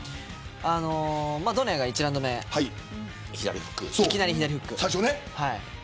ドネアが１ラウンド目いきなり左フック。